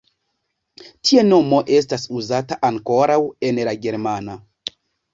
Tie nomo estas uzata ankoraŭ en la germana.